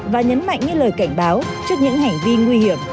và nhấn mạnh như lời cảnh báo trước những hành vi nguy hiểm